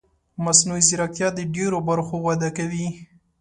مصنوعي ځیرکتیا د ډېرو برخو وده کوي.